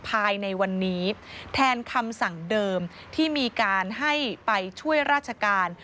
ภายในวันนี้แทนคำสั่งเดิมที่มีการให้ไปช่วยราชการ